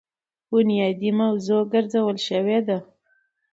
بنيادي موضوع ګرځولے شوې ده.